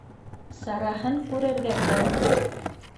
Сараһын күрергә кәрәк.